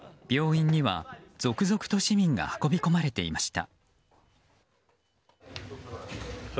病院には続々と市民が運び込まれていました。